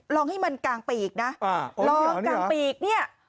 ลองให้มันกลางปีกนะลองกลางปีกเนี่ย